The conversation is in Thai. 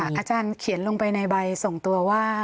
อาจารย์เขียนลงไปในใบส่งตัวว่า